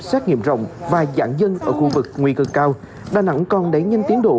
xét nghiệm rộng và giãn dân ở khu vực nguy cơ cao đà nẵng còn đẩy nhanh tiến độ